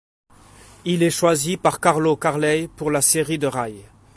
Il est choisi par Carlo Carlei pour la série de Rai '.